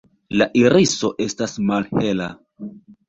La iriso estas malhela.